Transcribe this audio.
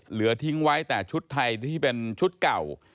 เหลือทิ้งไว้แต่ชุดไทยที่เป็นชุดเก่า